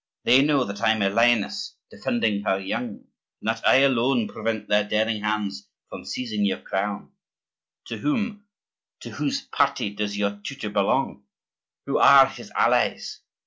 They know that I am a lioness defending her young, and that I alone prevent their daring hands from seizing your crown. To whom—to whose party does your tutor belong? Who are his allies?